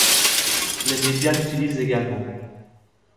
Les médias l'utilisent également.